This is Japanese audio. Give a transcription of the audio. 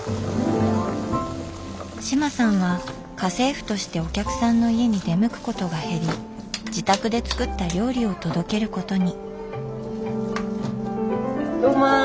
志麻さんは家政婦としてお客さんの家に出向くことが減り自宅で作った料理を届けることに。